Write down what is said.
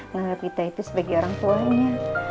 menganggap kita itu sebagai orang tuanya